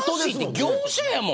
業者やもん。